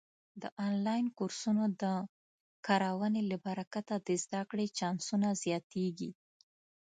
د آنلاین کورسونو د کارونې له برکته د زده کړې چانسونه زیاتېږي.